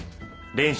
練習。